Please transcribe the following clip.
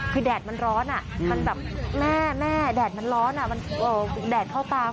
คือแดดมันร้อนมันแบบแม่แม่แดดมันร้อนมันแดดเข้าตา